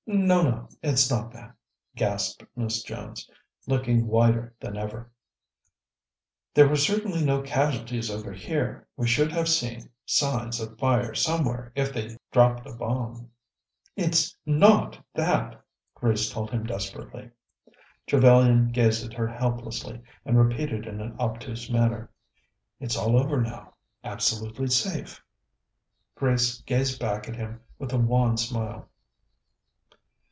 "No, no; it's not that," gasped Miss Jones, looking whiter than ever. "There were certainly no casualties over here. We should have seen signs of fire somewhere if they'd dropped a bomb." "It's not that!" Grace told him desperately. Trevellyan gazed at her helplessly, and repeated in an obtuse manner: "It's all over now absolutely safe." Grace gazed back at him with a wan smile.